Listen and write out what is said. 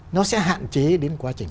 nó sẽ hạn chế đến quá trình